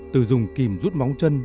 từ dùng kìm rút móng chân